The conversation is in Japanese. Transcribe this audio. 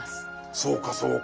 そうかそうか。